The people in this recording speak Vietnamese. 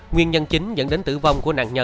nguyên nhân chính dẫn đến tử vong của nạn nhân